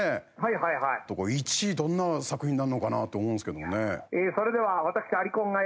１位どんな作品になるのかなと思うんですけどね。